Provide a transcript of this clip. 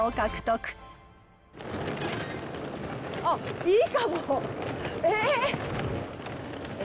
あっ、いいかも。